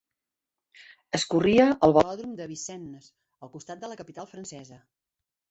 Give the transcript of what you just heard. Es corria al Velòdrom de Vincennes, al costat de la capital francesa.